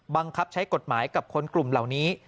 บังคับใช้กฎหมายกับคนกลุ่มเหล่านี้